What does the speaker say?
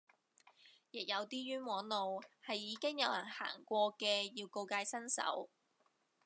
亦有啲冤枉路係已經有人行過嘅要告誡新手